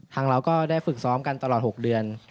เราก็ได้ฝึกซ้อมกันตลอด๖เดือน